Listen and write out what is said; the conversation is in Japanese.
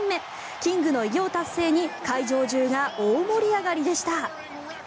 キングの偉業達成に会場中が大盛り上がりでした。